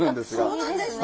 そうなんですね！